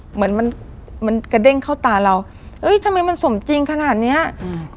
เหมือนมันมันกระเด้งเข้าตาเราเอ้ยทำไมมันสมจริงขนาดเนี้ยอืม